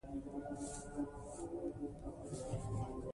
زۀ د يار مخکښې زېر لېمۀ زبَر کؤلے نۀ شم